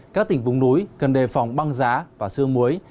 các tỉnh bùng đùi cần đề phòng băng giá và sương muối